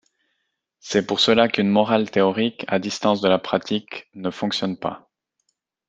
C’est pour cela qu’une morale théorique, à distance de la pratique, ne fonctionne pas.